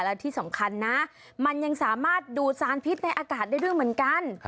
แล้วที่สำคัญนะมันยังสามารถดูดสารพิษในอากาศได้ด้วยเหมือนกัน